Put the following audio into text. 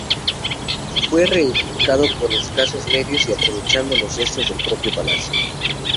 Fue reedificado con escasos medios y aprovechando los restos del propio palacio.